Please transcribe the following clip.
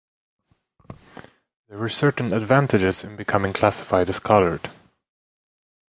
There were certain advantages in becoming classified as "Coloured".